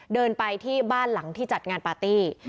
เดินไปที่บ้านหลังที่จัดงานปาร์ตี้